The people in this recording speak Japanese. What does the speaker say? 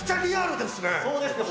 そうですね